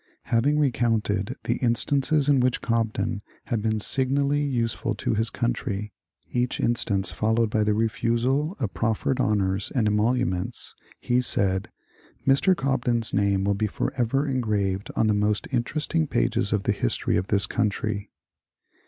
Having recounted the instances in which Cobden had been signally useful to his country, each instance followed by the refusal of proffered honours and emoluments, he said, "Mr. Cobden's name will be forever engraved on the most interesting pages of the history of this country."